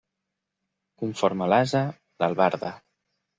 Conforme l'ase, l'albarda.